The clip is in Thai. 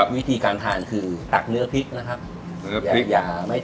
วิธีการทานคือตักเนื้อพริกนะครับ